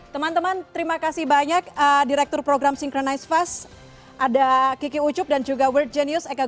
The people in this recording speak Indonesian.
teman teman terima kasih banyak direktur program synchronize fast ada kiki ucup dan juga world genius eka